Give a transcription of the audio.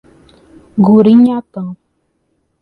Gurinhatã